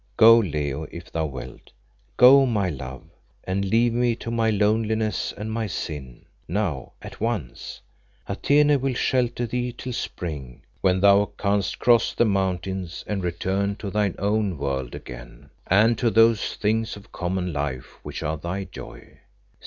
Go, Leo, if thou wilt. Go, my love, and leave me to my loneliness and my sin. Now at once. Atene will shelter thee till spring, when thou canst cross the mountains and return to thine own world again, and to those things of common life which are thy joy.